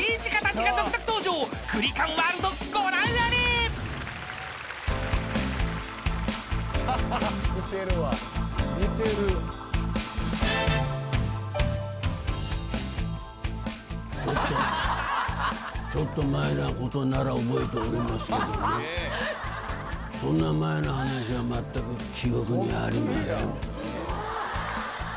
ちょっとちょっと前のことなら覚えておりますけどもそんな前の話はまったく記憶にありません。